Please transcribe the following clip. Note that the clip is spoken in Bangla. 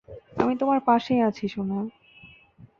আমি তোমার পাশেই আছি, সোনা!